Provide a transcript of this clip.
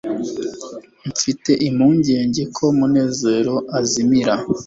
mfite impungenge ko munezero azimira